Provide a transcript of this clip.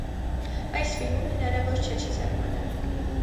Այս ֆիլմում հնարավոր չէ չզարմանալ։